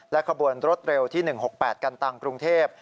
ขบวนรถเร็วที่๑๖๘กันตังกรุงเทพ